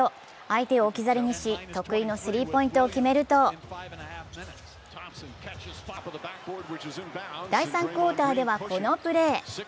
相手を置き去りにし得意のスリーポイントを決めると第３クオーターではこのプレー。